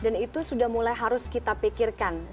dan itu sudah mulai harus kita pikirkan